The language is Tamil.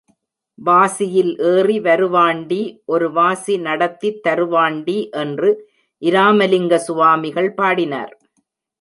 வாசியில் ஏறி வருவாண்டி ஒரு வாசி நடத்தித் தருவாண்டி என்று இராமலிங்க சுவாமிகள் பாடினார்.